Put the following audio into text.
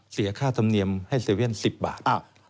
เสียค่าธรรมเนียมให้๗๑๑๑๐บาท